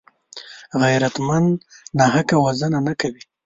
غیرتمند ناحقه وژنه نه کوي